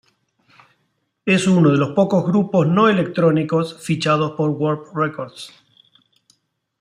Es uno de los pocos grupos no electrónicos fichado por Warp Records.